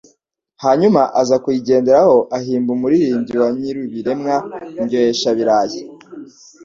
hanyuma aza kuyigenderaho ahimba Umuririmbyi wa Nyiribiremwa Indyoheshabirayi .